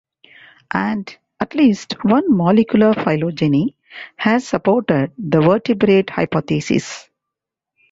And at least one molecular phylogeny has supported the vertebrate hypothesis.